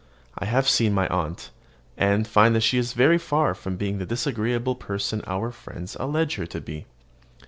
I have seen my aunt, and find that she is very far from being the disagreeable person our friends allege her to be.